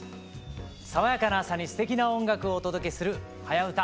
爽やかな朝にすてきな音楽をお届けする「はやウタ」。